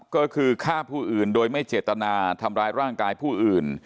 ก็คือฆ่าผู้อื่นโดยไม่เจตนาทำร้ายร่างกายผู้อื่น